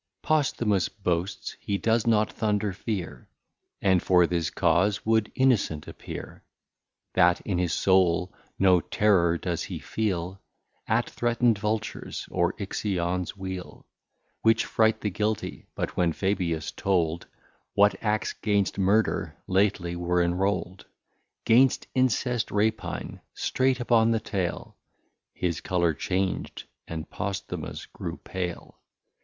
Posthumus boasts he does not Thunder fear, And for this cause would Innocent appear; That in his Soul no Terrour he does feel, At threatn'd Vultures, or Ixion's Wheel, Which fright the Guilty: But when Fabius told What Acts 'gainst Murder lately were enrol'd, 'Gainst Incest, Rapine, straight upon the Tale His Colour chang'd, and Posthumus grew pale.